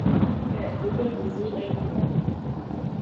بهبود وضوع بیمار